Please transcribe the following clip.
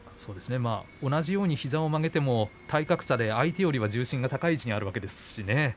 同じように膝を曲げても体格差で相手よりは重心が高い位置にあるわけですね。